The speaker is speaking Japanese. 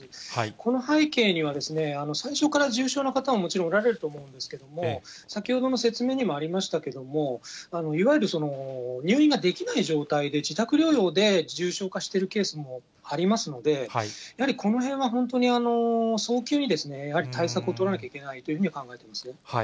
この背景には、最初から重症の方ももちろんおられると思いますけれども、先ほどの説明にもありましたけども、いわゆる入院ができない状態で自宅療養で重症化しているケースもありますので、やはりこのへんは本当に早急にやはり、対策を取らなきゃいけないというふうに考えていますね。